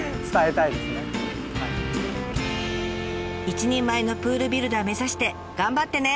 一人前のプールビルダー目指して頑張ってね！